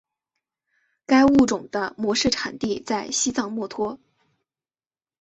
该物种的模式产地在西藏墨脱。